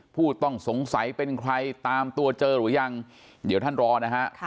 ผู้ต้องสงสัยเป็นใครตามตัวเจอหรือยังเดี๋ยวท่านรอนะฮะ